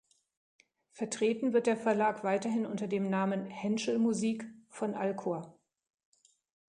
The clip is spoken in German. Vertreten wird der Verlag weiterhin unter dem Namen „Henschel Musik“ von Alkor.